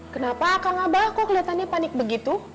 kenapa kang abah kok kelihatannya panik begitu